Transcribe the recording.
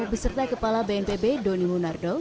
beserta kepala bnpb doni munardo